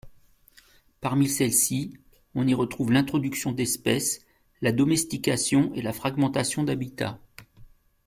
Parmi celles-ci, on y retrouve l'introduction d'espèces, la domestication et la fragmentation d'habitats.